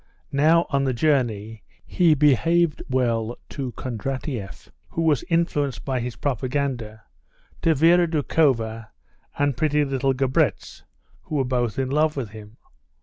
Now, on the journey he behaved well to Kondratieff, who was influenced by his propaganda; to Vera Doukhova and pretty little Grabetz, who were both in love with him.